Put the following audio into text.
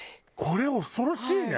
これ恐ろしいね。